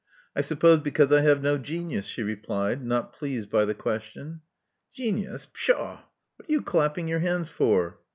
I suppose because I have no genius," Ae replied, not pleased by the question. Genius! Pshaw! What are you clapping your hands for?"